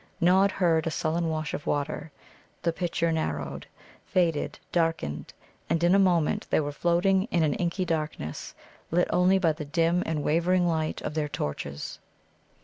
Nod heard a sullen wash of water, the picture narrowed, faded, darkened, and in a moment they were floating in an inky darkness, lit only by the dim and wavering light of the torches.